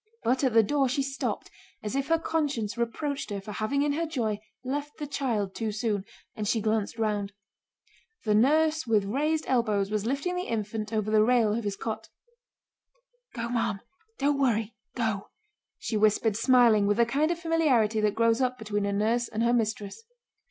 But at the door she stopped as if her conscience reproached her for having in her joy left the child too soon, and she glanced round. The nurse with raised elbows was lifting the infant over the rail of his cot. "Go, ma'am! Don't worry, go!" she whispered, smiling, with the kind of familiarity that grows up between a nurse and her mistress.